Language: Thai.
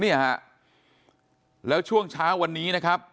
เนี่ยฮะแล้วช่วงเช้าวันนี้นะครับ